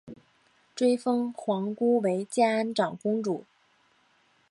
追封皇姑为建安长公主。